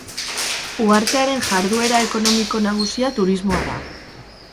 Uhartearen jarduera ekonomiko nagusia turismoa da.